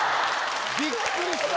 びっくりした！